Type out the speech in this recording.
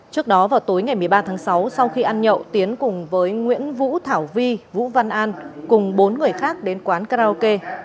trước đó vào tối ngày một mươi ba tháng sáu sau khi ăn nhậu tiến cùng với nguyễn vũ thảo vi vũ văn an cùng bốn người khác đến quán karaoke